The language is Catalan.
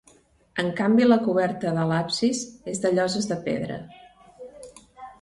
En canvi la coberta de l'absis és de lloses de pedra.